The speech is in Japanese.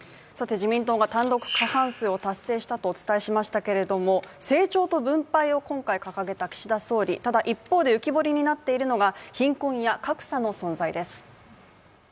自民党が単独過半数を達成したとお伝えしましたけど成長と分配を今回掲げた岸田総理、ただ一方で浮き彫りになっているのが貧困や格差の存在です。